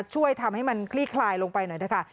ช่วยทำให้มันคลี่คลายลงไปหน่อยนะคะ